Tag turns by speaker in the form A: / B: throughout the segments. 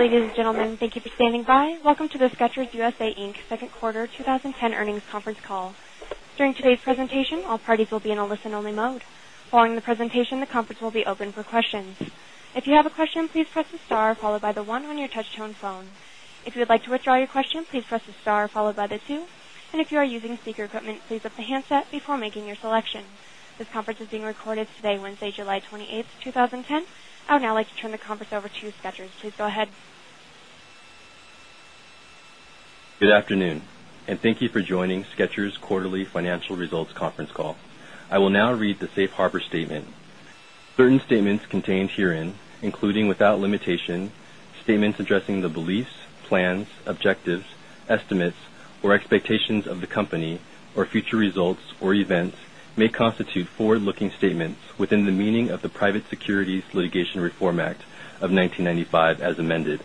A: Ladies and gentlemen, thank you for standing by. Welcome to the Skechers USA Inc. 2nd Quarter 2010 Earnings Conference Call. During today's presentation, all parties will be in a listen only mode. This conference is being recorded today, Wednesday, July 28, 2010. I would now like to turn the conference over to Skechers. Please go ahead.
B: Good afternoon and thank you for joining Skechers' quarterly financial results conference call. I will now read the Safe Harbor statement. Certain statements contained herein, including without limitation, statements addressing the beliefs, plans, objectives, estimates or expectations of the company or future results or events may constitute forward looking statements within the meaning of the Private Securities Litigation Reform Act of 1995 as amended.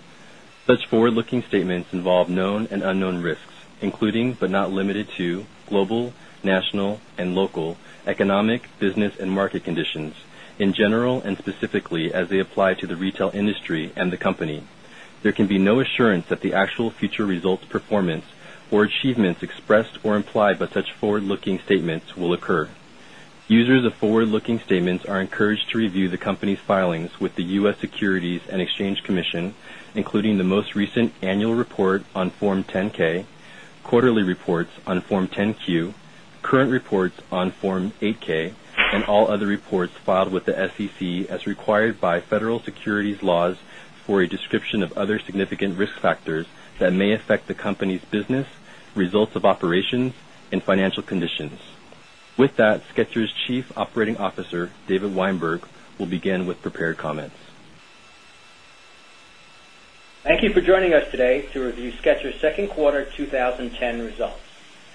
B: Such forward looking statements involve known and unknown risks, including, but not limited to, global, national and local, economic, business and market conditions in general and specifically as they apply to the retail industry and the company. There can be no assurance that the actual future results, performance or achievements expressed or implied by such forward looking statements will occur. Users of forward looking statements are encouraged to review the company's filings with the U. S. Securities and Exchange Commission, including the most annual report on Form 10 ks, quarterly reports on Form 10 Q, current reports on Form 8 ks and all reports filed with the SEC as required by federal securities laws for a description of other significant risk factors that may affect the company's business, results of operations and financial conditions. With that, Skechers' Chief Operating Officer, David Weinberg, will begin with prepared comments.
C: Thank you for joining us today to review Skechers' Q2 2010 results.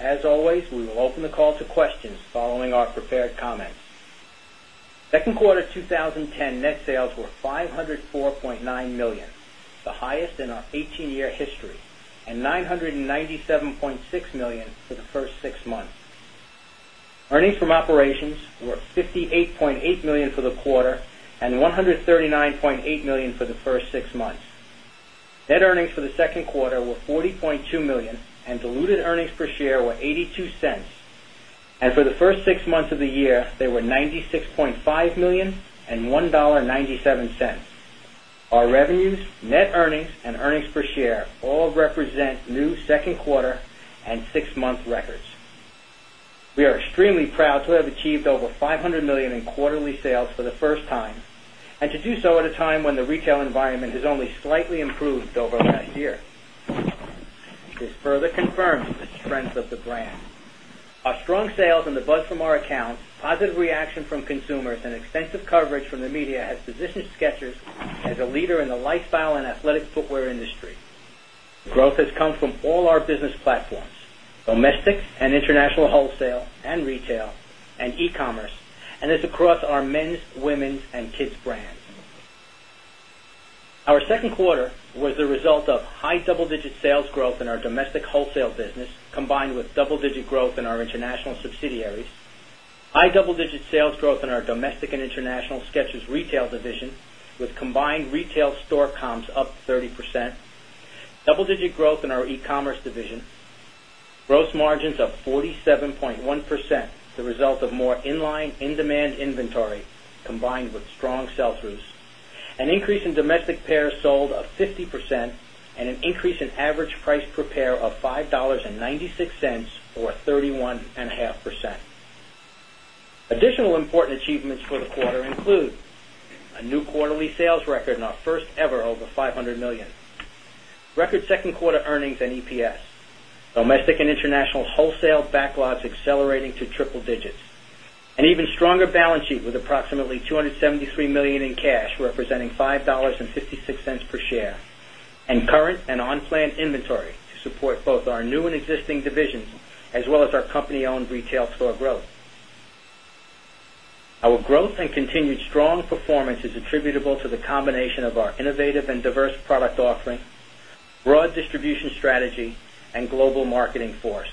C: As always, we will open the call to questions following our prepared comments. 2nd quarter 2010 net sales were 504,900,000 dollars the highest in our 18 year history and $997,600,000 for the 1st 6 months. Earnings from operations were $58,800,000 for the quarter and $139,800,000 for the 1st 6 months. Net earnings for the Q2 were $40,200,000 and diluted earnings per share were $0.82 And for the 1st 6 months of the year, they were $96,500,000 $1.97 Our revenues, net earnings and earnings per share all represent new 2nd quarter and 6 month records. We are extremely proud to have achieved over $500,000,000 in quarterly sales for the first time and to do so at a time when the retail environment has only slightly improved over last year. This further confirms the strength of the brand. Our strong sales and the buzz from our accounts, positive reaction from consumers and extensive coverage from the media has positioned SKECHERS as a leader in the lifestyle and athletic footwear industry. Growth has come from all our business platforms, domestic and international wholesale and retail and e commerce and is across our men's, women's and kids brands. Our second quarter was the result of high double digit sales growth domestic wholesale business combined with double digit growth in our international subsidiaries, high double digit sales growth in our domestic and international SKECHERS retail division with combined retail store comps up 30%, double digit growth in our e commerce division, gross margins up 47.1 percent, the result of more in line in demand inventory combined with strong sell throughs, an increase in domestic pairs sold of 50% and an increase in average price per pair of $5.96 or 31.5%. Additional important achievements for the quarter include a new quarterly sales record in our first ever over 500,000,000 dollars Record second quarter earnings and EPS, domestic and international wholesale backlogs accelerating to triple digits, an even stronger balance sheet with approximately $273,000,000 in cash, representing $5.56 per share, and current and unplanned inventory to support both our new and existing divisions as well as our company owned retail store growth. Our growth and continued strong performance is attributable to the combination of our innovative and diverse product offering, broad distribution strategy and global marketing force.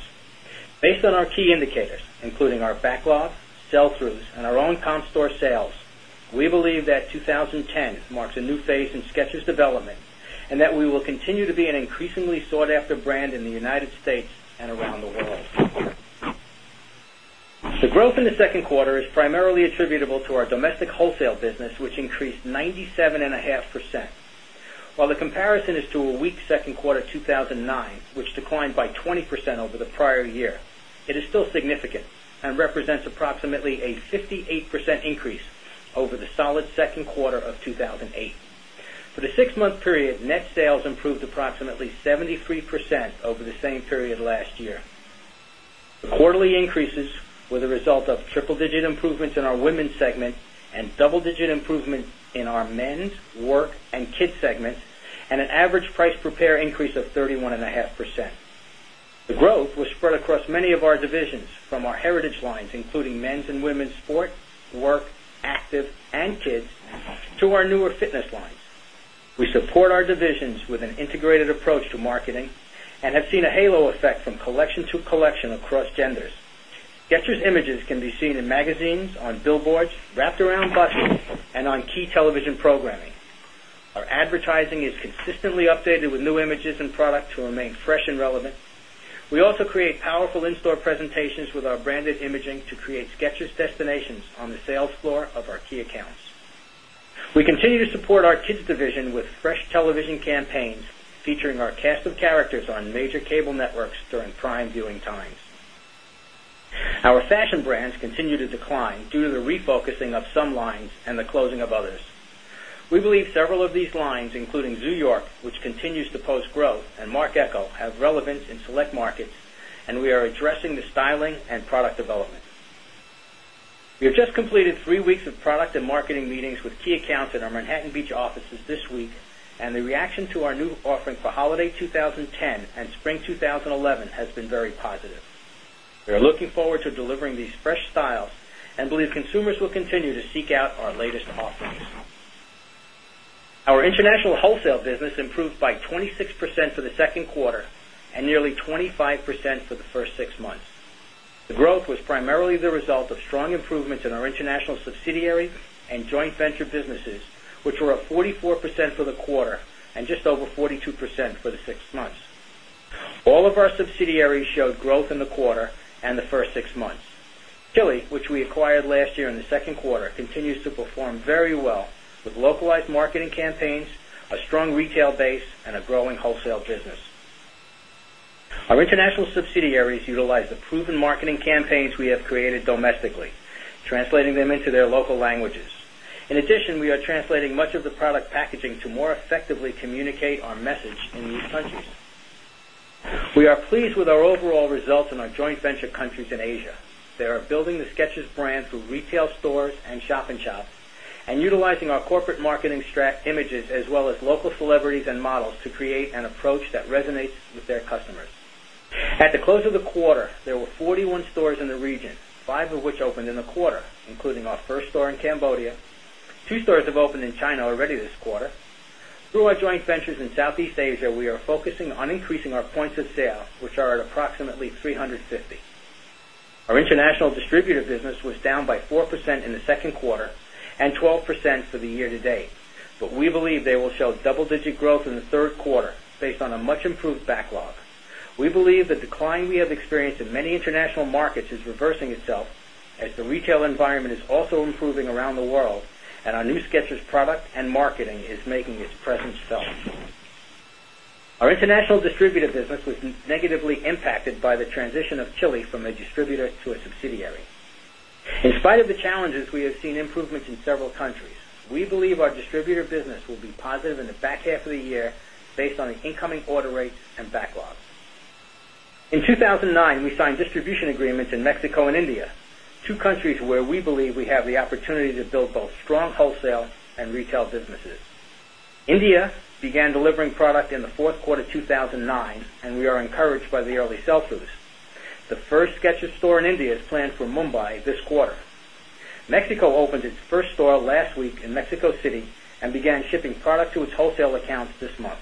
C: Based on our key indicators, including our backlog, sell throughs and our own comp store sales, we believe that 2010 marks a new phase in SKECHERS development and that we will continue to be an increasingly sought after brand in the United States and around the world. The growth in the Q2 is primarily attributable to our domestic wholesale business, which increased 97.5 percent. While the comparison is to a is to a weak Q2 2,009, which declined by 20% over the prior year, it is still significant and represents approximately a 58% increase over the solid Q2 of 2,008. For the 6 month period, net sales improved approximately 73% over the same period last year. The quarterly increases were the result of triple digit improvements in our women's segment and double digit improvement in our men's, work and kids segments and an average price per pair increase of 31.5%. The growth was spread across many of our divisions from our heritage lines including men's and women's sport, work, active and kids to our newer fitness lines. We support our divisions with an integrated approach to marketing and have seen a halo effect from collection to collection across genders. Getcher's images can be seen in magazines, on billboards, wrapped around buses and on key television programming. Our advertising is consistently updated with new images and product to remain fresh and relevant. We also create powerful in store presentations with our branded imaging to create SKECHERS destinations on the sales floor of our key accounts. We continue to support our kids division with fresh television campaigns featuring our cast of characters on major cable networks during prime viewing times. Our fashion brands continue to decline due to the refocusing of some lines and the closing of others. We believe several of these lines, including We have just completed 3 weeks of product and marketing meetings with key accounts at our Manhattan Beach offices this week and the reaction to our new offering for holiday 2010 spring 11 has been very positive.
D: We are
C: looking forward to delivering these fresh styles and believe consumers will continue to seek out our latest offerings. Our international wholesale business improved by 26% for the 2nd quarter and nearly 25% for the 1st 6 months. The growth was primarily the result of strong improvements in our international subsidiary and joint venture businesses, which were up 44% for the quarter and just over 42% for the 6 months. All of our subsidiaries showed growth in the quarter and the 1st 6 months. Chili, which we acquired last year in Q2 continues to perform very well with localized marketing campaigns, a strong retail base and a growing wholesale business. Our international subsidiaries utilize the proven marketing campaigns we have created domestically, translating them into their local languages. In addition, we are translating much of the product packaging to more effectively communicate our message in these countries. We are pleased with our overall results in our joint venture countries in Asia. They are building the SKECHERS brand through retail stores and shop in shops and utilizing our corporate marketing images as well as local celebrities and models to create an approach that resonates with their customers. At the close of the quarter, there were 41 stores in the region, 5 of which opened in the quarter, including our first store in Cambodia, 2 stores have opened in China already this quarter. Through our joint ventures in Southeast Asia, we are focusing on increasing our points of sale, which are at approximately 350. Our international distributor business was down by 4% in the second quarter and 12% for the year to date, but we believe they will show double digit growth in the Q3 based on a much improved backlog. We believe the decline we have experienced in many international markets is reversing itself as the retail environment is also improving around the world and our New SKECHERS product and marketing is making its presence felt. Our international distributor business was negatively impacted by the transition of Chile from a distributor to a subsidiary. In spite of the challenges, we have seen improvements in several countries. We believe our distributor business will be positive in the back half of the year based on the incoming order rates and backlog. In 2,009, we signed distribution agreements in Mexico and India, two countries where we believe we have the opportunity to build both strong wholesale and retail businesses. India began delivering product in the Q4 of 2009 and we are encouraged by the early sell throughs. The first SKECHERS store in India is planned for Mumbai this quarter. Mexico opened its first store last week in Mexico City and began shipping product to its wholesale accounts this month.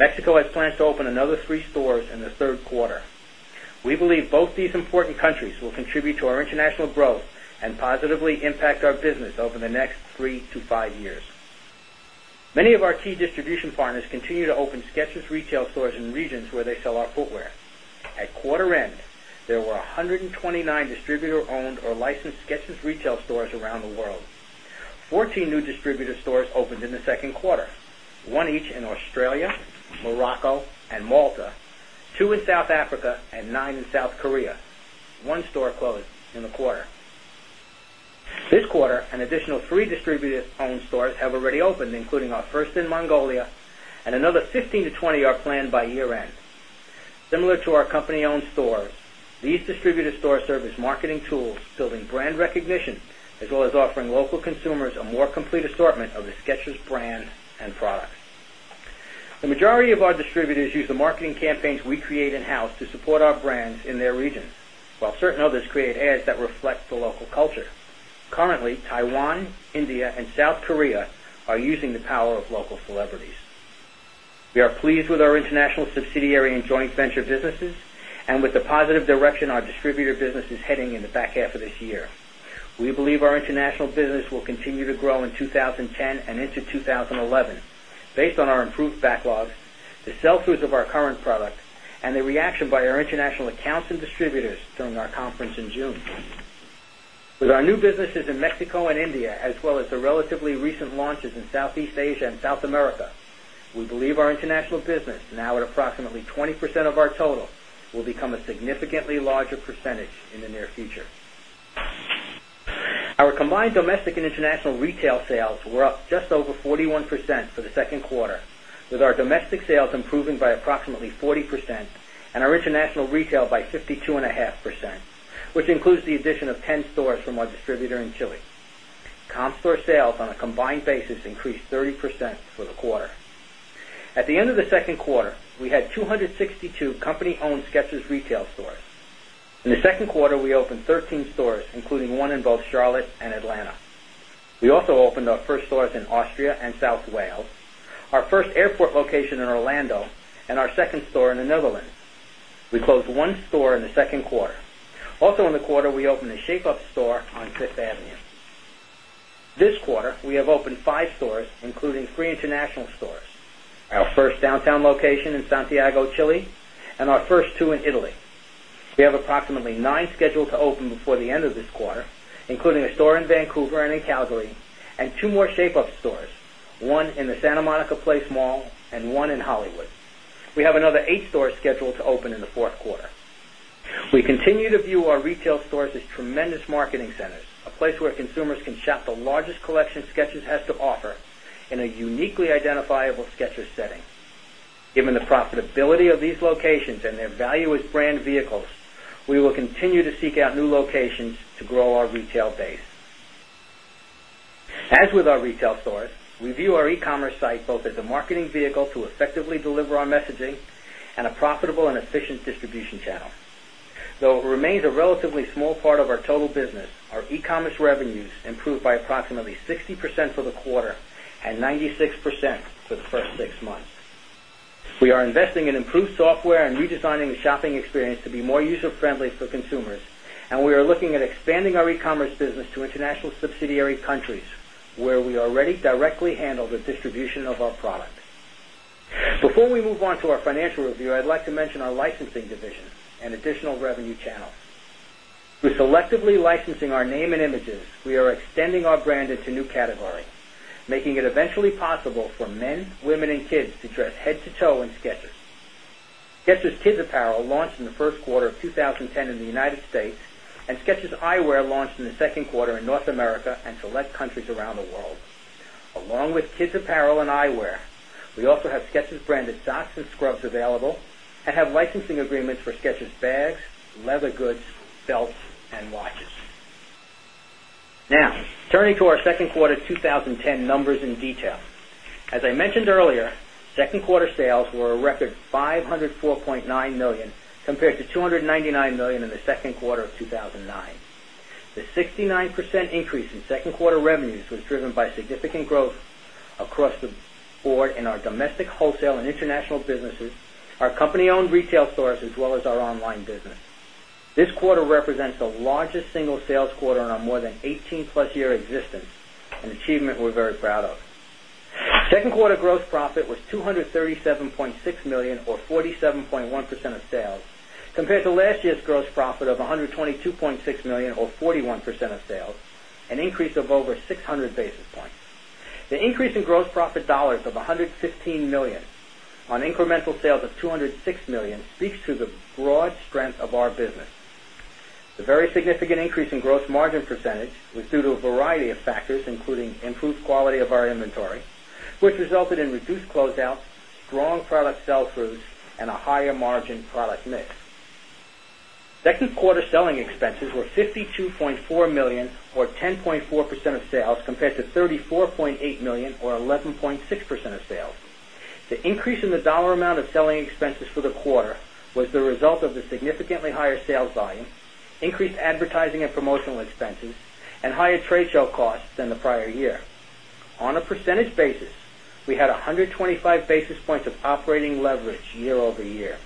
C: Mexico has plans to open another 3 stores in the Q3. We believe both these important countries will contribute to our international growth and positively impact our business over the next 3 to 5 years. Many of our key distribution partners continue to open SKECHERS retail stores in regions where they sell our footwear. At quarter end, there were 129 distributor owned or licensed SKECHERS retail stores around the world. 14 new distributor stores opened in the Q2, 1 each in Australia, Morocco and Malta, 2 in South Africa and 9 in South Korea, one store closed in the quarter. This quarter an additional 3 distributed owned stores have already opened including our 1st in Mongolia and another 15 to 20 are planned by year end. Similar to our company owned stores, these distributor store service marketing tools, building brand recognition as well as offering local consumers a more complete assortment of the SKECHERS brand and products. The majority of our distributors use the marketing campaigns we create in house to support our brands in their regions, while certain others create ads that reflect the local culture. Currently, Taiwan, India and South Korea are using the power of local celebrities. We are pleased with our international subsidiary and joint venture businesses and with the positive direction our distributor business is heading in the back half of this year. We believe our international business will continue to grow in 2010 and into 2011 based on our improved backlog, the sell throughs of our current product and the reaction by our international accounts and distributors during our conference in June. With our new businesses in Mexico and India as well as the relatively recent launches in Southeast Asia and South America, we believe our international business now at approximately 20% of our total will become a significantly larger percentage in the near future. Our combined domestic and international retail sales were up just over 41% for the Q2 with our domestic sales improving by approximately 40 percent and our international retail by 52.5%, which includes the addition of 10 stores from our distributor in Chile. Comp store sales on a combined basis increased 30% for the quarter. At the end of the second quarter, we had 2 62 company owned Skechers retail store. In the Q2, we opened 13 stores including 1 in both Charlotte and Atlanta. We also opened our first stores in Austria and South Wales, our first airport location in Orlando and our 2nd store in the Netherlands. We closed 1 store in the Q2. Also in the quarter, we opened a shape up store on 5th Avenue. This quarter, we have opened 5 stores including 3 international stores, our first downtown location in Santiago, Chile and our first two in Italy. We have approximately 9 scheduled to open before the end of this quarter, including a store in Vancouver and in Calgary and 2 more shape up stores, 1 in the Santa Monica Place Mall and 1 in Hollywood. We have another 8 stores scheduled to open in the Q4. We continue to view our retail stores as tremendous marketing centers, a place where consumers can shop the largest collection SKECHERS has to offer in a uniquely identifiable SKECHERS setting. Given the profitability of these locations and their value as brand vehicles, we will continue to seek out new locations to grow our retail base. As with our retail stores, we view our e commerce site both as a marketing vehicle to effectively deliver our messaging and a profitable and efficient distribution channel. Though it remains a relatively small part of our total business, our e commerce revenues improved by approximately 60% for the quarter and 96% for the 1st 6 months. We are investing in improved software and redesigning the shopping experience to be more user friendly for consumers and we are looking at expanding our e commerce business to international subsidiary countries where we already directly handle the distribution of our product. Before we move on to our financial review, I'd like to mention our licensing division and additional revenue channel. We're selectively licensing our name and images, we are extending our brand into new making it eventually possible for men, women and kids to dress head to toe in SKECHERS. SKECHERS kids apparel launched in the Q1 of 2010 in the United States and Skechers Eyewear launched in the Q2 in North America and select countries around the world. Along kids apparel and eyewear, we also have SKECHERS branded socks and scrubs available and have licensing agreements for SKECHERS bags, leather goods, belts and watches. Now turning to our Q2 2010 numbers in detail. As I mentioned earlier, 2nd quarter sales were a record $504,900,000 compared to $299,000,000 in the Q2 of 2,009. The 69% increase in 2nd quarter revenues was driven by significant growth across the board in our domestic wholesale and international businesses, our company owned retail stores as well as our online business. This quarter represents the largest single sales quarter on our more than 18 plus year existence, an achievement we're very proud of. 2nd quarter gross profit was $237,600,000 or 47.1 percent of sales compared to last year's gross profit of 100 and $22,600,000 or 41 percent of sales, an increase of over 600 basis points. The increase in gross profit dollars of $115,000,000 on incremental sales of $206,000,000 speaks to the broad strength of our business. The very significant increase in gross margin percentage was due to a variety of factors including improved quality of our inventory, which resulted in reduced closeouts, strong product sell throughs and a higher margin product mix. 2nd quarter selling expenses were 52.4 $1,000,000 or 10.4 percent of sales compared to $34,800,000 or 11.6 percent of sales. The increase in the dollar amount of selling expenses for the quarter was the result of the significantly higher sales volume, increased advertising and promotional expenses and higher trade show costs than the prior year. On a percentage basis, we had 125 basis points of operating leverage year over year.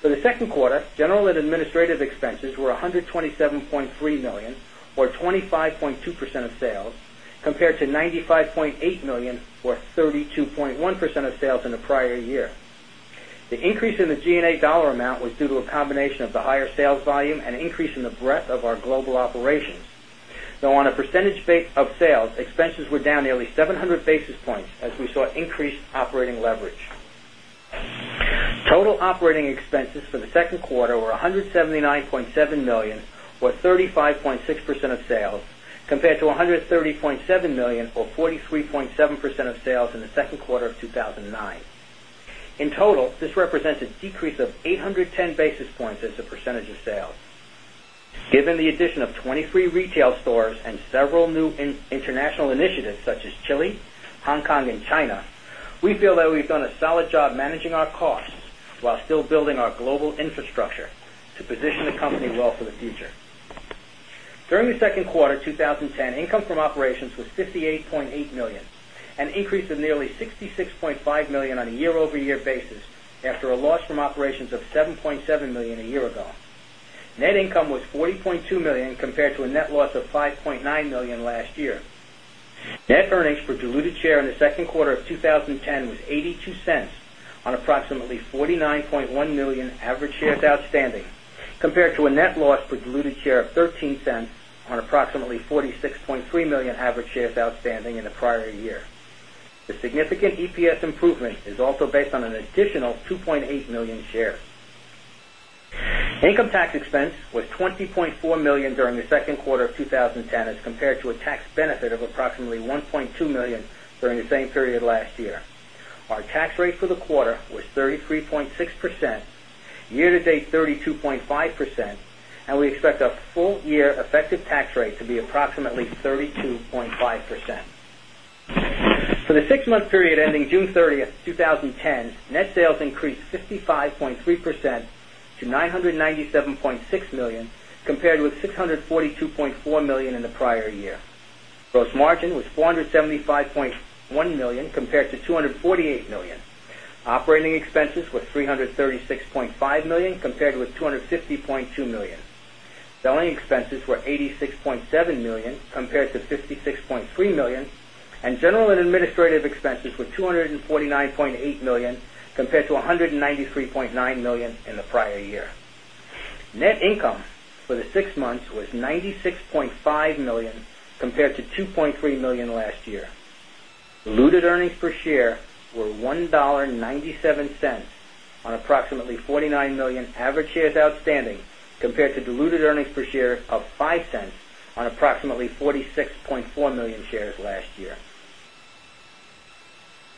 C: For the 2nd quarter, general and administrative expenses were $127,300,000 or 25.2 percent of sales compared to $95,800,000 or 32.1 percent of sales in the prior year. The increase in the G and A dollar amount was due to a combination of the higher sales volume and increase in the breadth of our global operations. So on a percentage of sales, expenses were down nearly 700 basis points as we saw increased operating leverage. Total operating expenses for the Q2 were $179,700,000 or 35.6 percent of sales compared to $130,700,000 or 43.7 percent of sales in the Q2 of 2009. In total, this represents a decrease of 8 10 basis points as a percentage of sales. Given the addition of 23 retail stores and several new international initiatives such as Chile, Hong Kong and China, we feel that we've done a solid job managing our costs, while still building our global infrastructure to position the company well for the future. During the Q2 20 10 income from operations was $58,800,000 an increase of nearly $66,500,000 on a year over year basis after a loss from operations of 7,700,000 dollars a year ago. Net income was $40,200,000 compared to a net loss of $5,900,000 last year. Net earnings per diluted share in the Q2 of 2010 was $0.82 on approximately 49,100,000 average shares outstanding compared to a net loss per diluted share of 0.13 dollars on approximately 46,300,000 average shares outstanding in the prior year. The significant EPS improvement is also based on an additional 2,800,000 shares. Income tax expense was $20,400,000 during the Q2 of 2010 as compared to a tax benefit of approximately $1,200,000 during the same period last year. Our tax rate for the quarter was 33.6%, year to date 32.5% and we expect our full year effective tax rate to be approximately 32.5%. For the 6 month period ending June 30, 2010 net sales increased 55.3 percent to $997,600,000 compared with 640 $2,400,000 in the prior year. Gross margin was $475,100,000 compared to $248,000,000 Operating expenses were $336,500,000 compared with $250,200,000 Selling expenses were $86,700,000 compared to $56,300,000 and general and administrative expenses were $249,800,000 compared to $193,900,000 in the prior year. Net income for the 6 months was $96,500,000 compared to $2,300,000 last year. Diluted earnings per share were $1.97 on approximately 49,000,000 average shares outstanding compared to diluted earnings per share of $0.05 on approximately 46,400,000 shares last year.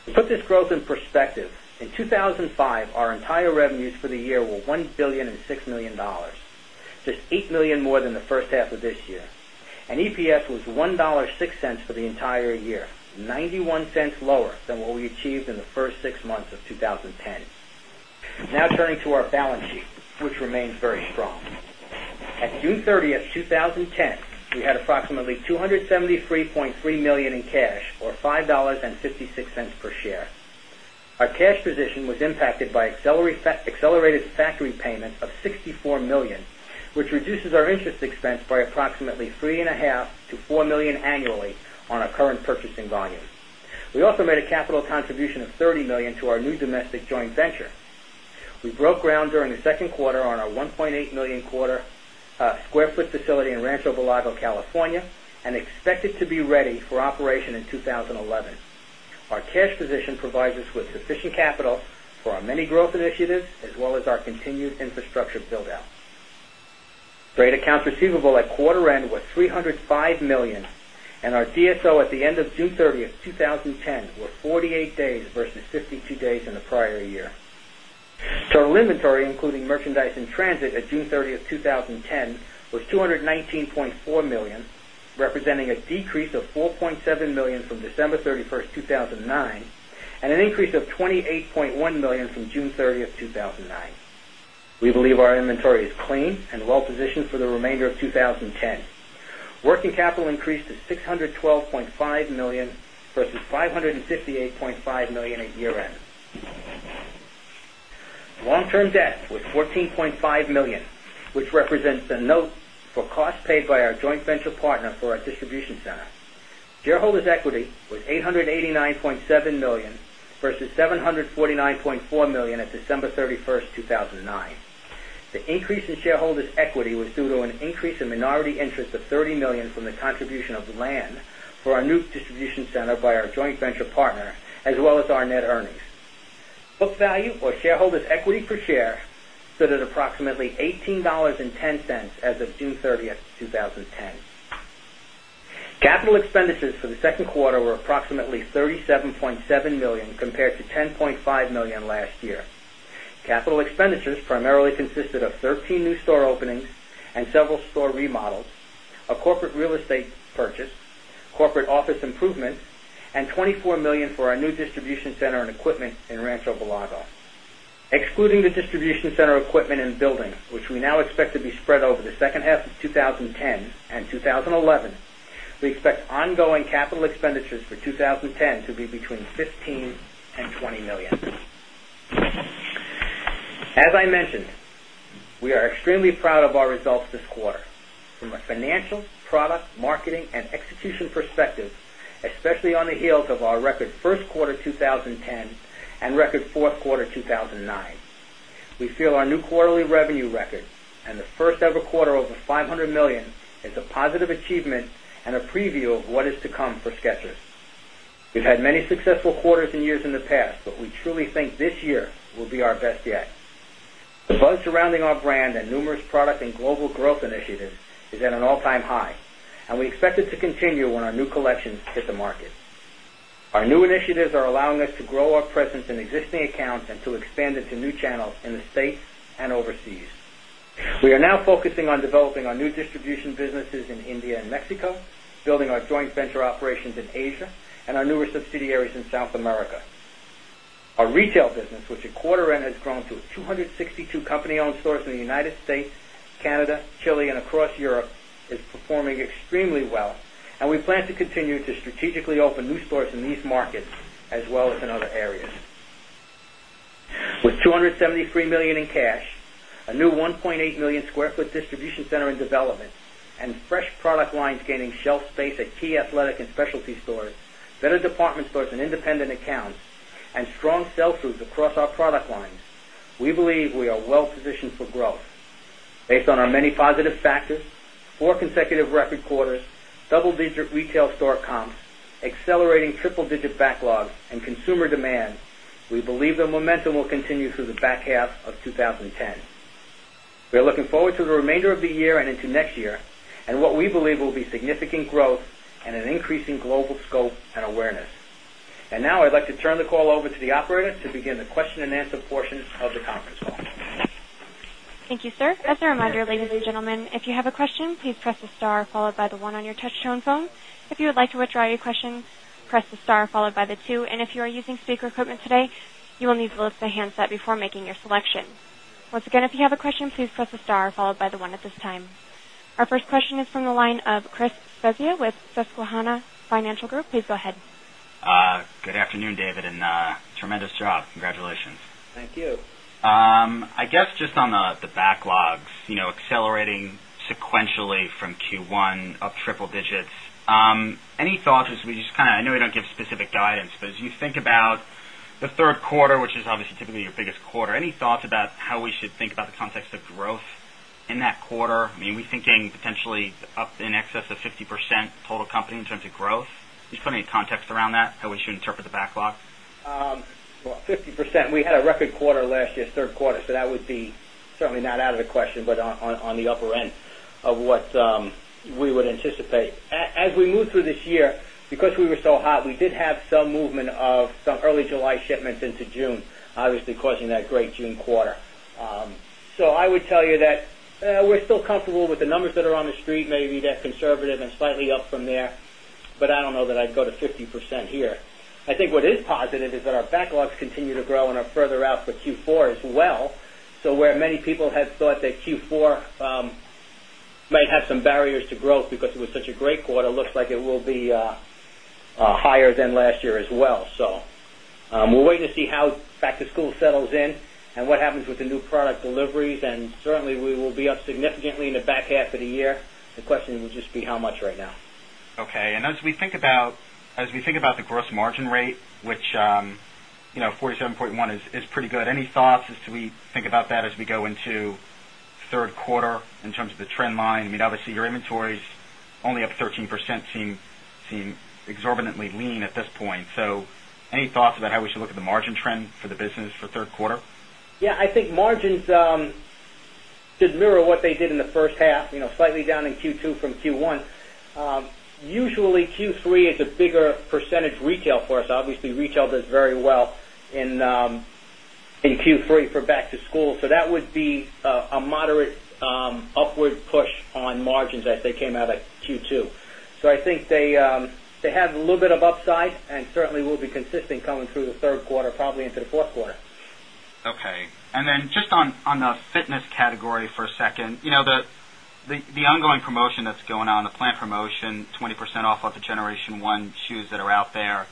C: To put this growth in perspective, in 2,005, our entire revenues for the year were $1,060,000,000 just $8,000,000 more than the first half of this year. And EPS was 1 point $6 for the entire year, dollars 0.91 lower than what we achieved in the 1st 6 months of 20 $5.6 per share. Our cash position was impacted by accelerated factory payments of 64 dollars which reduces our interest expense by approximately $3,500,000 to $4,000,000 annually on our current purchasing volume. We also made a capital contribution of $30,000,000 to our new domestic joint venture. We broke ground during the Q2 on our $1,800,000 quarter square foot facility in Rancho Belago, California and expected to be ready for operation in 20 11. Our cash provides us with sufficient capital for our many growth initiatives as well as our continued infrastructure build out. Great accounts receivable at quarter end was 305,000,000 and our DSO at the end of June 30, 2010 were $219,400,000 representing a decrease of $4,700,000 from December 31, 2009 and an increase of 20 $8,100,000 from June 30, 2009. We believe our inventory is clean and well positioned for the remainder of 2010. Working capital increased to $612,500,000 versus $558,500,000 at year end. Long term debt was $14,500,000 which represents a note for cost paid by our joint venture partner for our distribution center. Shareholders' equity was $889,700,000 versus $749,400,000 at December 31, 2009. The increase in shareholders' equity was due to an increase in minority interest of $30,000,000 from the contribution of land for our new distribution center by our joint venture partner, as well as our net earnings. Book value or shareholders' equity per share stood at approximately 18 point $1 as of June 30, 2010. Capital expenditures for the 2nd quarter were approximately $37,700,000 compared to $10,500,000 last year. Capital expenditures primarily consisted of 13 new store openings and several store remodels, a corporate real estate purchase, corporate office improvements and $24,000,000 for our new distribution center and equipment in Rancho Belaga. Excluding the distribution center equipment and building, which we now expect to be spread over the second half of twenty ten and twenty eleven, we expect ongoing capital expenditures for 20.10 to be between $15,000,000 $20,000,000 As I mentioned, we are extremely proud of our results this quarter. From a financial, product, marketing and execution perspective, especially on the heels of our record Q1 2010 and record Q4 2009. We feel our new quarterly revenue record and the first ever quarter over $500,000,000 is a positive achievement and a preview of what is to come for SKECHERS. We've had many successful quarters and years in the past, but we truly think this year will be our best yet. The buzz surrounding our brand and numerous product and global growth initiatives is at an all time high and we expect it to continue when our new collections hit the market. Our new initiatives are allowing us to grow our presence in existing accounts and to expand into new channels in the states and overseas. We are now focusing on developing our new distribution businesses in India and Mexico, building our joint venture operations in Asia and our newer subsidiaries in South America. Our retail business, which at quarter end has grown to a 2 62 company owned stores in the United States, Canada, Chile and across Europe is performing extremely well and we plan to continue to strategically open new stores in these markets as well as
E: in other
C: areas. With $273,000,000 in cash, a new 1,800,000 square foot distribution center in development and fresh product lines gaining shelf space at key athletic and specialty stores, better department stores and independent accounts and strong sell throughs across our product lines, we believe we are well positioned for growth. Based on our many positive factors, 4 consecutive record quarters, double digit retail store comps, accelerating triple digit backlog and consumer demand, we believe the momentum will continue through the back half of twenty ten. We are looking forward to the remainder of the year and into next year and what we believe will be significant growth and an increasing global scope and awareness. And now I'd like to turn the call over to the operator to begin the question and answer portion of the conference call.
A: Thank you, first question is from the line of Chris Svezia with Susquehanna Financial Group. Please go ahead.
F: Good afternoon, David, and tremendous job. Congratulations.
C: Thank you.
F: I guess just on the backlogs, accelerating sequentially from Q1 up triple digits. Any thoughts as we just kind of I know we don't give specific guidance, but as you think about the Q3, which is obviously typically your biggest quarter, any thoughts about how we should think about the context of growth in that quarter? I mean, we're thinking potentially up in excess of 50% total company in terms of growth. Put any context around that, how we should interpret the backlog?
C: Well, 50%. We had a record quarter last year's Q3. So that would be certainly not out of the question, but on the upper end of what we would anticipate. As we move through this year, because we were so hot, we did have some movement of some early July shipments into June, obviously causing that great June quarter. So I would tell you that we're still comfortable with the numbers that are on the street, maybe that conservative and slightly up from there. But I don't know that I'd go to 50% here. I think what is positive is that our backlogs continue to grow and are further out for Q4 as well. So where many people have thought that Q4 might have some barriers to growth because it was such a great quarter, looks like it will be higher than last year as well. So we're waiting to see how to school settles in and what happens with the new product deliveries and certainly we will be up significantly in the back half of the year. The question will just be how much right now.
F: Okay. And as we think about the gross margin rate, which 47.1% is pretty good. Any thoughts as do we think about that as we go into Q3 in terms of the trend line? I mean, obviously, your inventories only up 13% seem exorbitantly lean at this point. So any thoughts about how we should look at the margin trend for the business for Q3?
C: Yes, I think margins mirror what they did in the first half, slightly down in Q2 from Q1. Usually Q3 is a bigger percentage retail for us. Obviously, retail does very well in Q3 for back to school. So that would be a moderate upward push on margins as they came out of Q2. So I think they have a little bit of upside and certainly will be consistent coming through the 3rd quarter probably into the Q4.
F: Okay. And then just on the fitness category for a second, the ongoing promotion that's going on, the plant promotion 20% off of the Generation 1 shoes that are out there.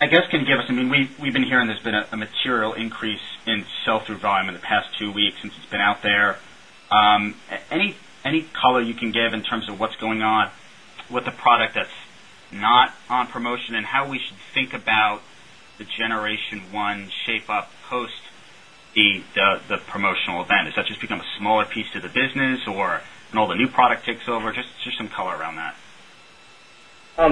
C: I guess can you give
F: us, I mean, we've been hearing there's been a material increase in sell through volume in the past 2 weeks since it's been out there. Any color you can give in terms of what's going on with the product that's not on promotion and how we should think about the Generation 1 shape up post the promotional event? Is just become a smaller piece to the business or all the new product takes over? Just some color around that.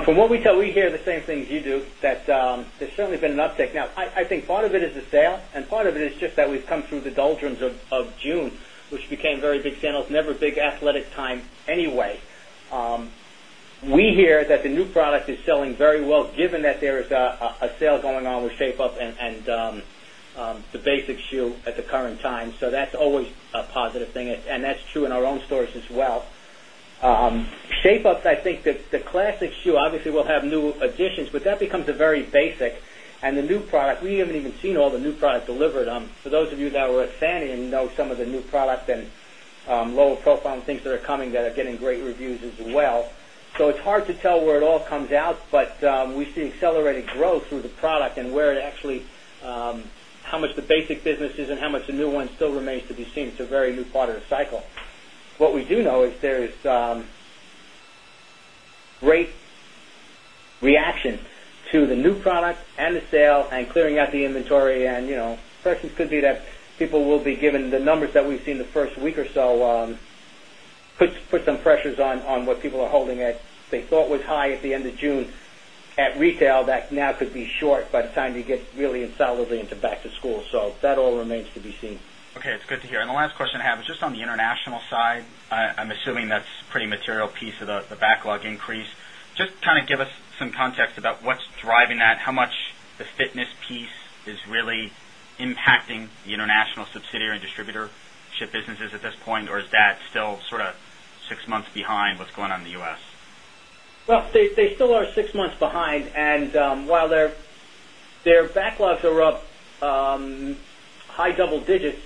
C: From what we tell, we hear the same things you do that there's certainly been an uptick. Now, I think part of it is the sale and part of it is just that we've come through the doldrums of June, which became very big channels, never big athletic anyway. We hear that the new product is selling very well given that there is a sale going on with shape up and the basic shoe at the current time. So that's always a positive thing and that's true in our own stores as well. Shape ups, I think the classic shoe obviously will have new additions, but that becomes a very basic and the new product, we haven't even seen all the new products delivered. For those of you that were at Fannie and know some of the new product and lower profile and things that are coming that are getting great reviews as well. So it's hard to tell where it all comes out, but we see accelerated growth through the product and where it actually how much the basic business is and how much the new one still remains to be seen. It's a very new quarter of the cycle. What we do know is there is great reaction to the new product and the sale and clearing out the inventory and could be that people will be given the numbers that we've seen in the 1st week or so, put some pressures on what people are holding at. They thought was high at the end of June at retail that now could be short by the time you get really insolently into back to school. So that all remains to be seen.
F: Okay. It's good to hear. And the last question I have is just on the international side. I'm assuming that's pretty material piece of the backlog increase. Just kind of give us some context about what's driving that? How much the fitness piece is really impacting the international subsidiary and distributor ship businesses at this point? Or is that still sort of 6 months behind what's going on in the U. S?
C: Well, they still are 6 months behind and while their backlogs are up high double digits,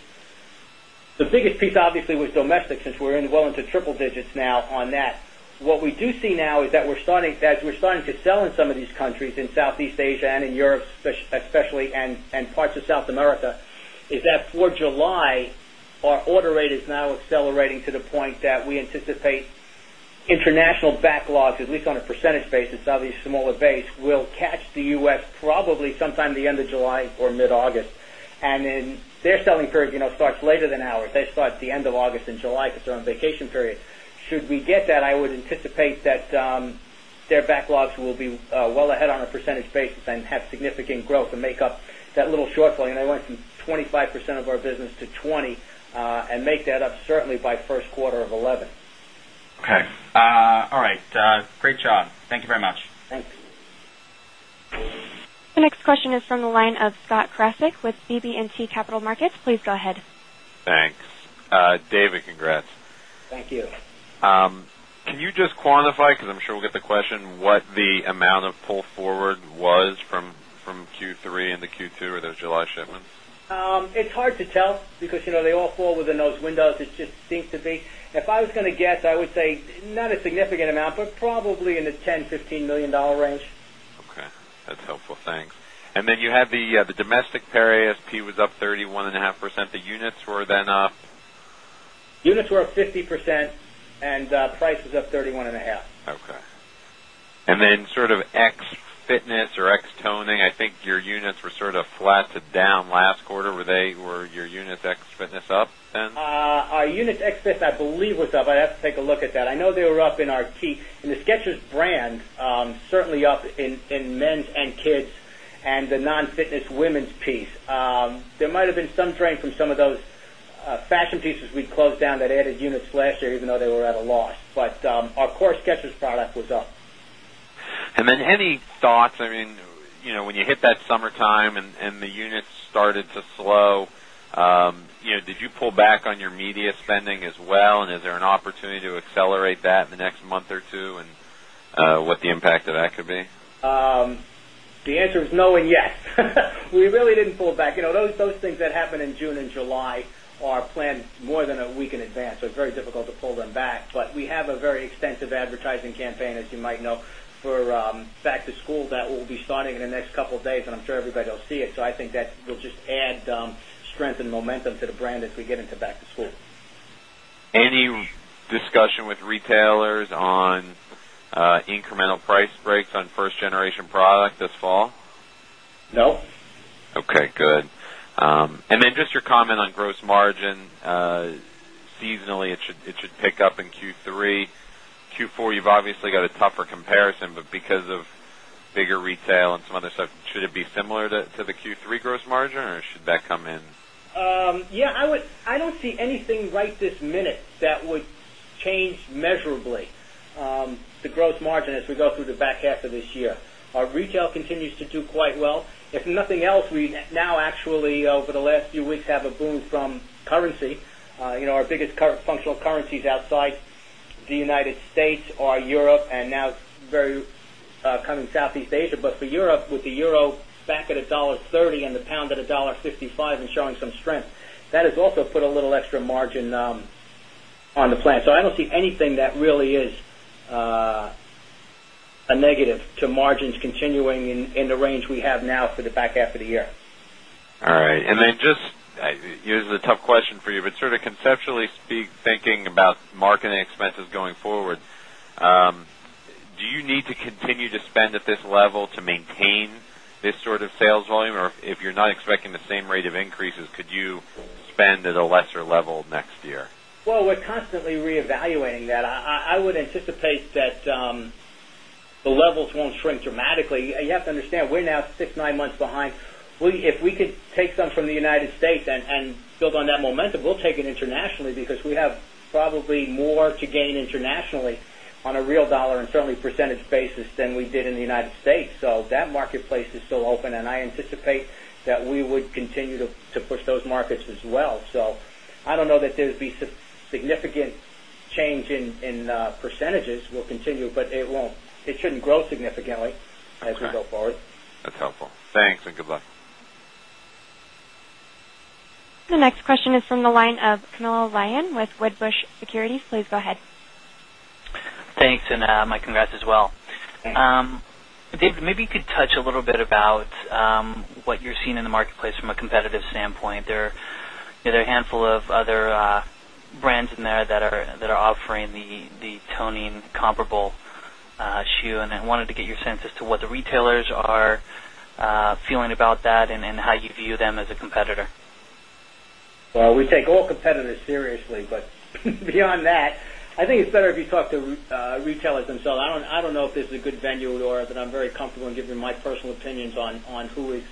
C: the biggest piece obviously was domestic since we're in well into triple digits now on that. What we do see now is that we're starting as we're starting to sell in some of these countries in Southeast Asia and in Europe, especially and parts of South America, is that for July, our order rate is now accelerating to the point that we anticipate international backlogs at least on a percentage basis, obviously smaller base will catch the U. S. Probably sometime the end of July or mid August. And then their selling period starts later than ours. They start at the end of August July because they're on vacation period. Should we get that, I would anticipate that their backlogs will be well ahead on a percentage basis and have significant growth and make up that little shortfall. And they went from 25% of our business to 20% and make that up certainly by Q1 of 2011.
F: Thank you very much.
C: Thanks.
A: The next question is from the line of Scott Kraseck with BB and T Capital Markets. Please go ahead.
D: Thanks. David, congrats.
C: Thank you.
D: Can you just quantify, because I'm sure we'll get the question, what the amount of pull forward was from Q3 into Q2 or those July shipments?
C: It's hard to tell because they all fall within those windows. It just seems to be. If I was going to guess, I would say not a significant amount, but probably in the $10,000,000 $15,000,000 range.
D: Okay. That's helpful. Thanks. And then you had the domestic per ASP was up 31.5%, the units were then up?
C: Units were up 50% and price is up 31.5%.
D: Okay. And then sort of ex fitness or ex toning, I think your units were sort of flat to down last quarter, were they were your units ex fitness up then?
C: Our units ex fitness I believe was up, I'd have to take a look at that. I know they were up in our in the SKECHERS brand, certainly up in men's and kids and the non fitness women's piece. There might have been some strength from some of those fashion pieces we closed down that added units last year even though they were at a loss. But our core SKECHERS product was up.
D: And then any thoughts, I mean, when you hit that summertime and the units started to slow, did you pull back on your media spending as well? And is there an opportunity to accelerate that in the next month or 2? And what the impact of that could be?
C: The answer is no and yes. We really didn't pull back. Those things that happened in June July are planned more than a week in advance. So it's very difficult to pull them back. But we have a very extensive advertising campaign, as you might know, for back to school that will be starting in the next couple of days, and I'm sure everybody will see it. So I think that will just add strength and momentum to the brand as we get into back to school.
D: Any discussion with retailers on incremental price breaks on 1st generation product this fall? No. Okay, good. And then just your comment on gross margin, seasonally it should pick up in Q3. Q4 you've obviously got a tougher comparison, but because of bigger retail and some other stuff, should it be similar to the Q3 gross margin or should that come in?
C: Yes, I would I don't see anything right this minute that would change measurably the gross margin as we go through the back half of this year. Our retail continues to do quite well. If nothing else, we now actually over the last few weeks have a boom from currency. Our biggest functional currencies outside the United States or Europe and now very coming Southeast Asia. But for Europe with the euro back at $1.30 and the pound at $1.55 and showing some strength, that has also put a little extra margin on the plan. So I don't see anything that really is a negative to margins continuing in the range we have now for the back half of the year.
E: All right.
D: And then just it's a tough question for you, but sort of conceptually speaking about marketing expenses going forward, do you need to continue to spend at this level to maintain this sort of sales volume or if you're not expecting the same rate of increases, could you spend at a lesser level next year?
C: Well, we're constantly reevaluating that. I would anticipate that the levels won't shrink dramatically. You have to understand, we're now 6, 9 months behind. If we could take some from the United States and build on that momentum, we'll take it internationally because we have probably more to gain internationally on a real dollar and certainly percentage basis than we did in the United States. So that marketplace is still open and I anticipate that we would continue to push those markets as well. So I don't know that there would be some significant change in percentages will continue, but it won't it shouldn't grow significantly as we go forward.
D: That's helpful. Thanks and good luck.
A: The next question is from the line of Camilo Lyon with Wedbush Securities. Please go ahead.
G: Thanks and my congrats as well. Thanks. David, maybe you could touch a little bit about what you're seeing in the marketplace from a competitive standpoint. There are a handful of other brands in there that are offering the toning comparable shoe. And I wanted to get your sense
E: as to what the retailers
G: are feeling about that and then how you view them as a competitor?
C: Well, we take all competitors seriously. But beyond that, I think it's better if you talk to retailers themselves. I don't know if this is a good venue or that I'm very comfortable in giving my personal opinions on who is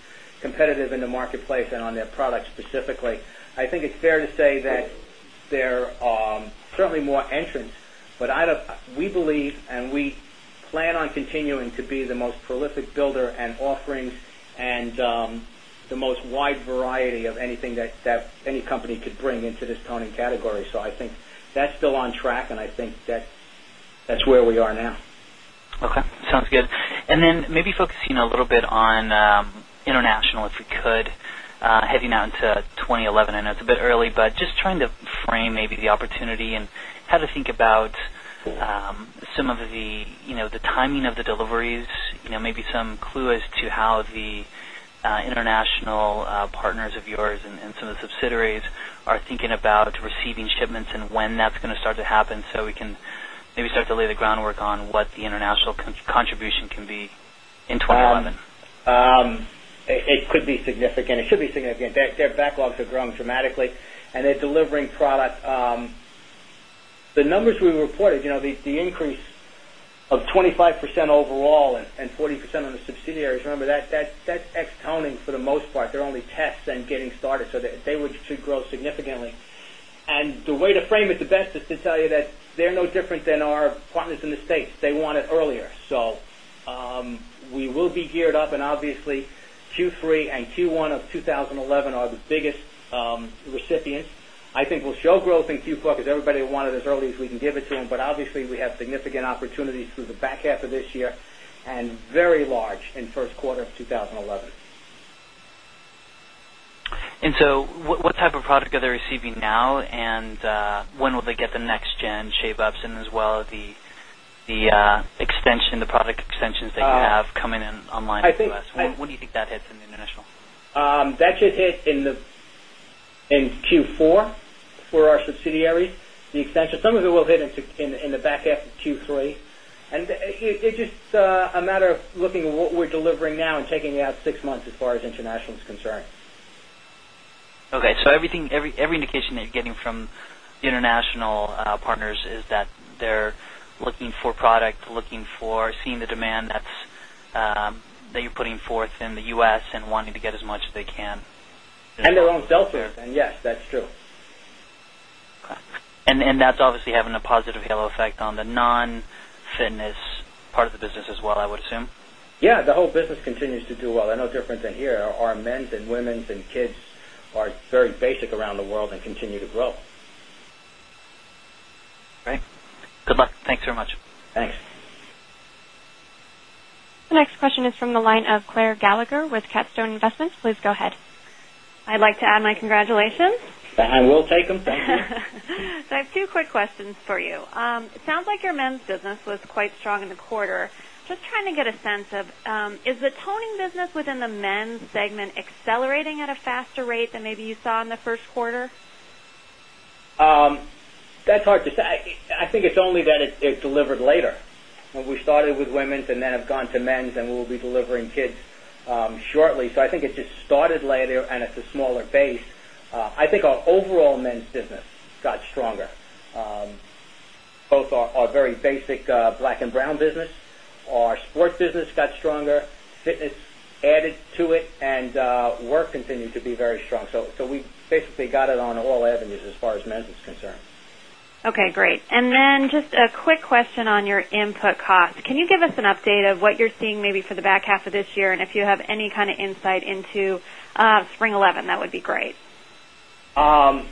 C: competitive in the marketplace and on their products specifically. I think it's fair to say that there are certainly more entrants, But I don't we believe and we plan on continuing to be the most prolific builder and offerings and the most wide variety of anything that any company could bring into this toning category. So I think that's still on track and I think that's where we are now.
G: Okay. Sounds good. And then maybe focusing a little bit on international if we could heading out into 2011 and it's a bit early, but just trying to frame maybe the opportunity and how to think about some of the timing of the deliveries, maybe some clue as to how the international partners of yours and some of the subsidiaries are thinking about receiving shipments and when that's going to start to happen, so we can maybe start to lay the groundwork on what the international contribution can be in 2011?
C: It could be significant. It should be significant. Their backlogs are growing dramatically. And they're delivering product. The the percent of the subsidiaries, remember that's ex toning for the most part. They're only tests and getting started. So they would grow significantly. And the way to frame it the best is to tell you that they're no different than our partners in the States. They want it earlier. So we will be geared up and obviously Q3 and Q1 of 2011 are the biggest recipients. I think we'll show growth in Q4 because everybody wanted as early as we can give it to them. But obviously, we have significant opportunities through the back half of this year and very large in Q1 of 2011.
G: And so what type of product are they receiving now? And when will they get the next gen shave ups and as well the extension, the product extensions that you have coming in online
C: to us?
E: When do
G: you think that hits in the international?
C: That should hit in Q4 for our subsidiaries, the extension. Some of it will hit in the back half of Q3. And it's just a matter of looking at what we're delivering now and taking out 6 months as far as international is concerned.
G: Okay. So everything every indication that you're getting from international partners is that they're looking for product, looking for seeing the demand that that you're putting forth in the U. S. And wanting to get as much as they can?
C: And they don't sell sales and yes, that's true.
G: And that's obviously having a positive halo effect on the non fitness part of the business as well, I would assume?
C: Yes, the whole business continues to do well. There are no difference in here. Our men's and women's and kids are very basic around the world and continue to grow.
G: Great. Good luck. Thanks very much. Thanks.
A: The next question is from the line of Claire Gallagher with KapStone Investments. Please go ahead.
H: I'd like to add my congratulations.
C: I will take them. Thank you.
E: So I
H: have two quick questions for you. It sounds like your men's business was quite strong in the quarter. Just trying to get a sense of, is the toning business within the men's segment accelerating at a faster rate than maybe you saw in the Q1?
C: That's hard to say. I think it's only that it delivered later. When we started with women's and then have gone to men's and we will be delivering kids shortly. So I think it just started later and it's a smaller base. I think our overall men's business got stronger, Both are very basic black and brown business, our sports business got stronger, fitness added to it and work continued to be very strong. So we basically got it on all avenues as far as men's is concerned.
H: Okay, great. And then just a quick price increases for the back half of this year and if you have any kind of insight into spring 'eleven, that would be great.
C: Well,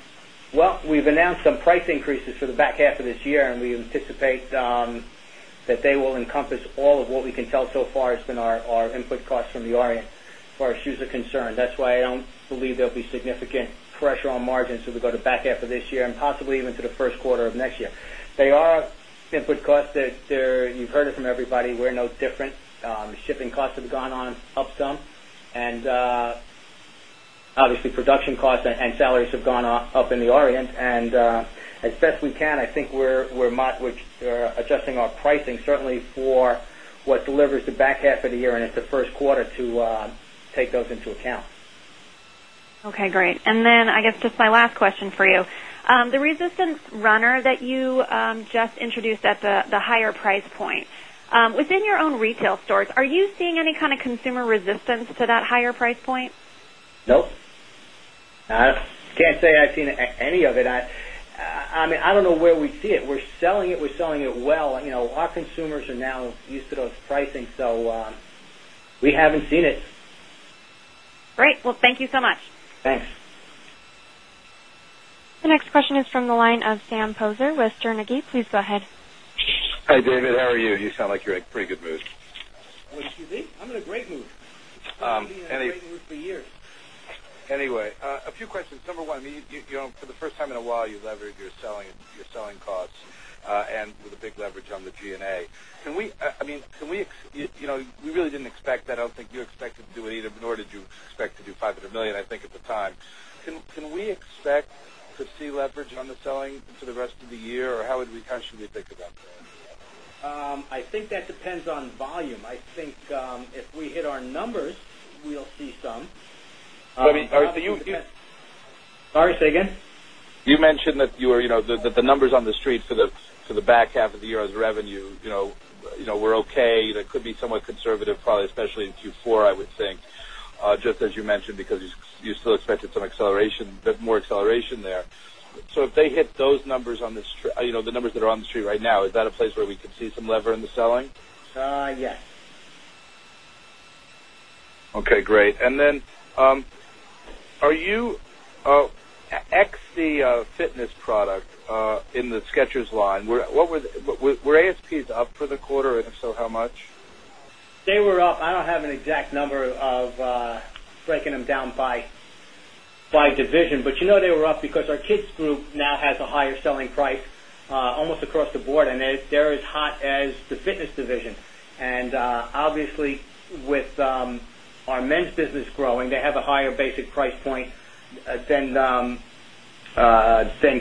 C: we've announced some price increases for the back half of this year and we anticipate that they will encompass all of what we can tell so far has been our input costs from the Orient as far as shoes are concerned. That's why I don't believe there'll be significant pressure on margins as we go to back half of this year and possibly even to the Q1 of next year. They are input costs that you've from everybody, we're no different. Shipping costs have gone on up some. And obviously, production costs and salaries have gone up in the Orient. And as best we can, I think we're adjusting our pricing certainly for what delivers the back half of the year and it's the Q1 to take those into account?
H: Okay, great. And then I guess just my last question for you. The resistance runner that you just introduced at the higher price point, within your own retail stores, are you seeing any kind of consumer resistance to that higher price point?
C: No. I can't say I've seen any of it. I mean, I don't know where we see it. We're selling it, selling it well. Our consumers are now used to those pricing. So we haven't seen it.
H: Great. Well, thank you so much.
C: Thanks.
A: The next question is from the line of Sam Poser with Jernigan. Please go ahead.
E: Hi, David. How are you? You sound like you're
D: in a pretty good mood.
C: Excuse me? I'm in a great mood.
E: I've been in a great mood for years. Anyway, a few questions. Number 1, for the first time in a while, you leveraged your selling costs and with a big
C: Can we expect to see leverage
E: on the selling for the rest of Can we expect to see leverage on the selling for the rest of the year? Or how should we think about that?
C: I think that depends on volume. I think if we hit our numbers, we'll see some. Sorry, say again?
E: You mentioned that you are that the numbers on the Street for the back half of the year as revenue, we're okay. That be somewhat conservative probably especially in Q4, I would think, just as you mentioned because you still expected some acceleration bit more acceleration there. So if they hit those numbers on the the numbers that are on the Street right now, is that a place where we could see some lever in the selling? Yes. Okay, great. And then are you ex the fitness product in the SKECHERS line, what was were ASPs up for the quarter? And if so, how much?
C: They were up. I don't have an exact number of breaking them down by division. But they were up because our kids group now has a higher selling price almost across the board and they're as hot as the fitness division. And obviously with our men's business growing, they have a higher basic price point than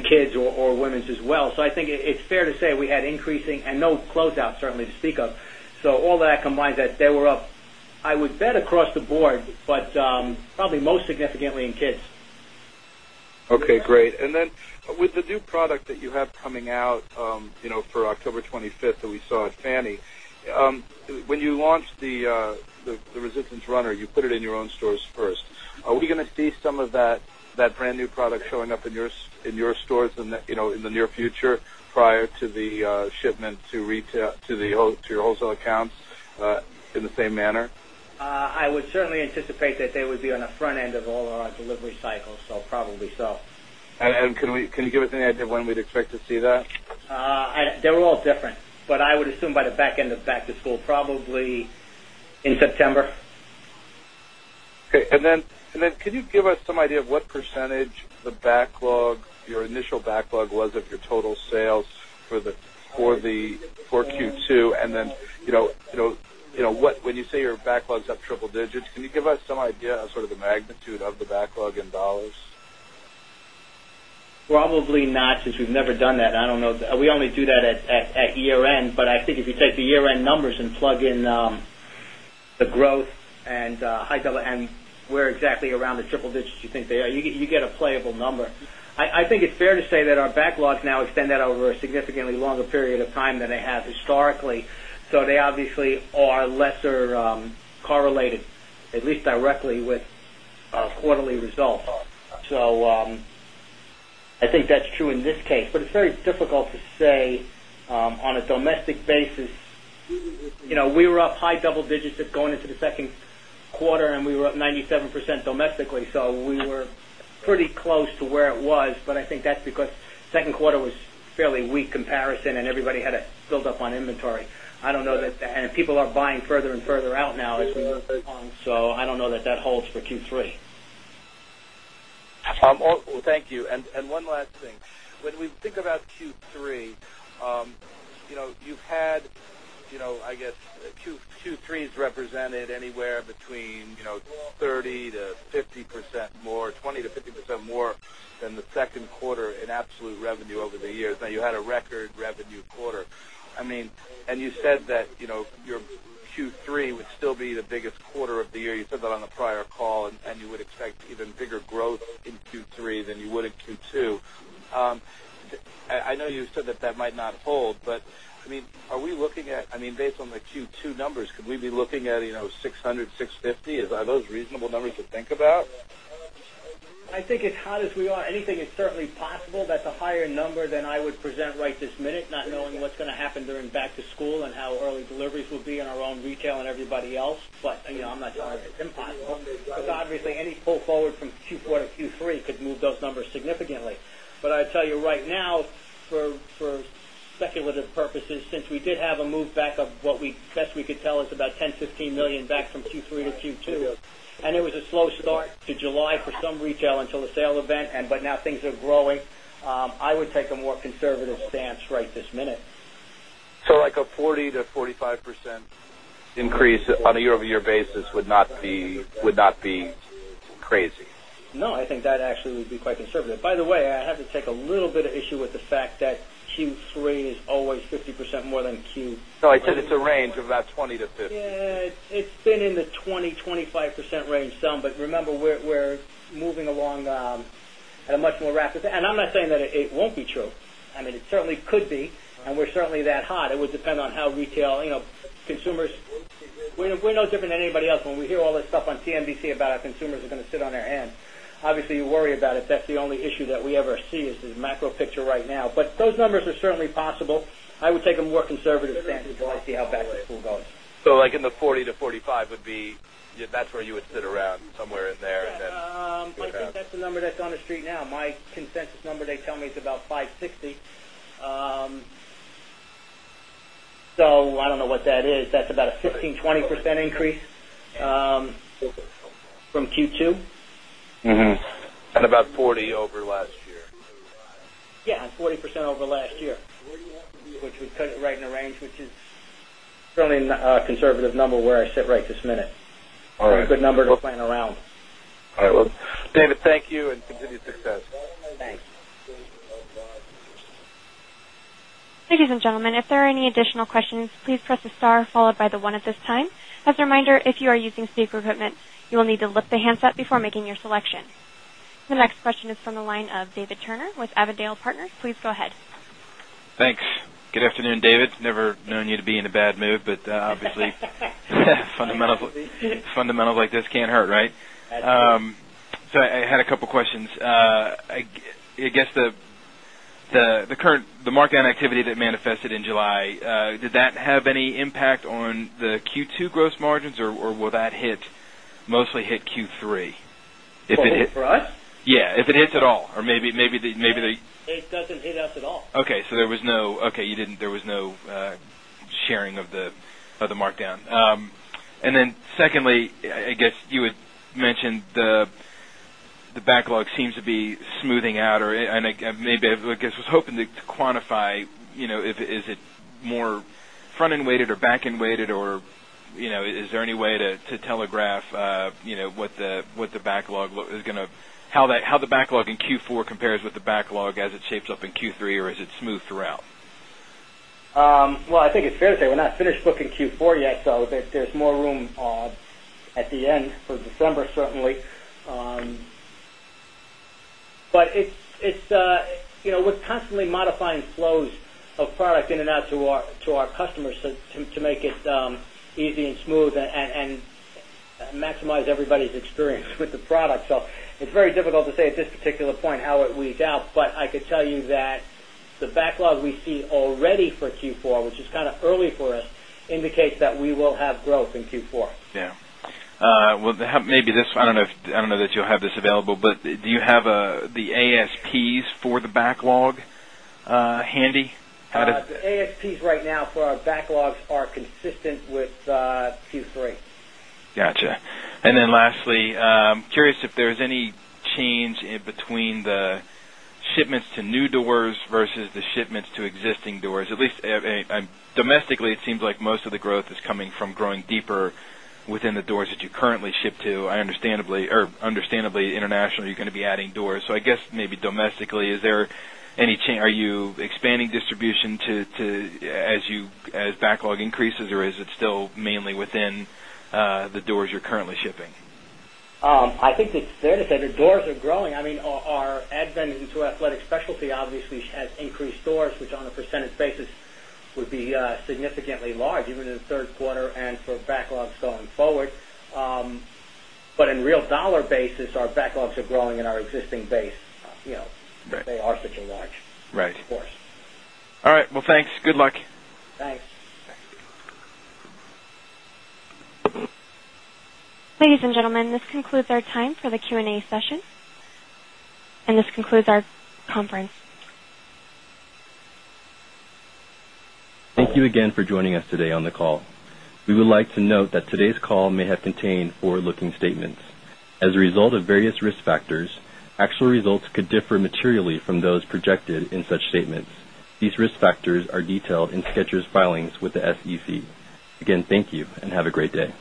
C: kids or women's as well. So I think it's fair to say we had increasing and no closeout certainly to speak of. So all that combined that they were up, I would bet across the board, but probably most significantly in kids.
E: Okay, great. And then with the new product that you have coming out for October 25 that we saw at Fannie, When you launched the resistance runner, you put it in your own stores first. Are we going to see some of that brand new product showing up in your stores in the near future prior to the shipment to retail to your wholesale accounts in the same manner?
C: I would certainly anticipate that they would be on the front end of all our delivery cycles, so probably so.
E: And can you give us an idea of when we'd expect to see that?
C: They were all different, but I would assume by the back end of back to school probably in September.
E: Okay. And then could you give us some idea of what percentage the backlog your initial backlog was of your total sales for Q2? And then what when you say your backlog is up triple digits, can you give us idea sort of the magnitude of the backlog in dollars?
C: Probably not since we've never done that. I don't know we only do that at year end. But I think if you take the year end numbers and plug in the growth and where exactly around the triple digits you think they are, you get a playable number. I think it's fair to say that our backlogs now extend that over a significantly longer period of time than they have historically. So they obviously are lesser correlated at least directly with quarterly results. So I think that's true in this case, but it's very difficult to say on a domestic basis. We were up high double digits going into the second quarter and we were up 97% domestically. So we were pretty close to where it was, but I think that's because second quarter was fairly weak comparison and everybody had a buildup on inventory. I don't know that and people are buying further and further out now. So I don't know that that holds for Q3.
E: Thank you. And one last thing, when we think about Q3, you've had, I guess, Q3 has represented anywhere between 30% to 50% more 20% to 50% more than the Q2 in absolute revenue over the years. Now you had a record revenue quarter. I mean and you said that your Q3 would still be the biggest quarter of the year. You said that on the prior call and you would expect even bigger growth in Q3 than you would in Q2. I know you said that that might not hold, but I mean, are we looking at
C: I mean, based on the Q2 numbers, could we
E: be looking at 600, 650? Is those reasonable numbers to think about?
C: I think as hot as we are, anything is certainly possible. That's a higher number than I would present right this minute, not knowing what's going to happen during back to school and how early deliveries will be in our own retail and everybody else. But I'm not saying it's impossible because obviously any pull forward from Q4 to Q3 could move those numbers significantly. But I tell you right now for speculative purposes since we did have a move back of what we best we could tell us about $10,000,000 $15,000,000 back from Q3 to Q2. And it was a slow start to July for some retail until the sale event, but now things are growing. I would take a more conservative stance right this minute.
E: So like a 40% to 45% increase on a year over year basis would not be crazy?
C: No, I think that actually would be quite conservative. By the way, I have to take a little bit of issue with the fact that Q3 is always 50% more than Q3.
E: So I said it's a range of about 20 percent to
C: 50 percent? Yes, it's been in the 20%, 25% range some. But remember, we're moving along at a much more rapid and I'm not saying that it won't be true. I mean, it certainly could be and we're certainly that hot. It would depend on how retail consumers we're no different than anybody else. We hear all this stuff on CNBC about our consumers are going to sit on their end. Obviously, you worry about it. That's the only issue that we ever see is this macro picture right now. But those numbers are certainly possible. I would take a more conservative stance as well as see how back the school goes.
E: So like in the 40% to 45% would be that's where you would sit around somewhere in there?
C: I think that's the number that's on the Street now. My consensus number they tell me is about 560%. So I don't know what that is. That's about a 15%, 20% increase from Q2. And about 40% over last year. Yes, 40% over last year, which we cut it right in the range, which is certainly a conservative number where I sit right this minute. It's a good number to playing around.
E: All right. David, thank you and continued success. Thank
H: you.
A: The next question is from the line of David Turner with Avondale Partners. Please go ahead.
I: Thanks. Good afternoon, David. Never known you to be in a bad mood, but obviously fundamentals like this can't hurt, right? So I had a couple of questions. I guess the current the markdown activity that manifested in July, did that have any impact on the Q2 gross margins or will that hit mostly hit Q3?
C: For us?
I: Yes, if it hits at all or maybe the
C: It doesn't hit us at all.
I: Okay. So there was no okay, you didn't there was no sharing of the markdown. And then secondly, I guess you had mentioned the backlog seems to be smoothing out or I think maybe I guess was hoping to quantify is it more front end weighted or back end weighted or is there any way to telegraph what the backlog is going to how the backlog in Q4 compares with the backlog as it shapes up in Q3 or is it smooth throughout?
C: At the end for December certainly. But it's we're constantly modifying flows of product in and out to our customers to make it easy and smooth and maximize everybody's experience with the product. So it's very difficult to say at this particular point how it weeds out. But I could tell you that the backlog we see already for Q4, which is kind of early for us indicates that we will have growth in Q4.
I: Yes. Well, maybe this I don't know if I don't know that you'll have this available, but do you have the ASPs for the backlog handy?
C: ASPs right now for our backlogs are consistent with Q3.
I: Got you. And then lastly, curious if there is any change in between the shipments to new doors versus the shipments to existing doors. At least domestically, it seems like most of the growth is coming from growing within the doors that you currently ship to. Understandably internationally, you're going to be adding doors. So I guess maybe domestically, is there any are you expanding distribution to as backlog increases or is it still mainly within the doors you're currently shipping?
C: I think it's fair to say that the doors are growing. I mean, our advent into athletic specialty obviously has increased doors, which on a percentage basis would be significantly large even in the Q3 and for backlogs going forward. But in real dollar basis, our backlogs are growing in our existing base. They are such a large
E: All right. Well, thanks. Good luck.
H: Thanks.
A: Ladies and gentlemen, this concludes our time for the Q and A session. And this concludes our conference.
B: Thank you again for joining us today on the call. We would like to note that today's call may have contained forward looking statements. As a result of various risk factors, actual results could differ materially from those projected in such statements. These risk factors are detailed in Skechers' filings with the SEC. Again, thank you and have a great day.